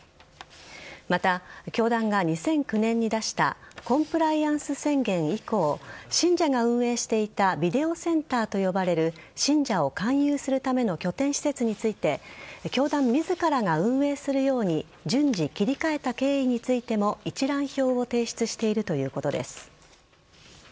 また、教団が２００９年に出したコンプライアンス宣言以降信者が運営していたビデオセンターと呼ばれる信者を勧誘するための拠点施設について教団自らが運営するように順次切り替えた経緯についても一覧表を提出しているということです。